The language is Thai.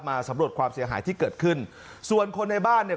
สำรวจความเสียหายที่เกิดขึ้นส่วนคนในบ้านเนี่ย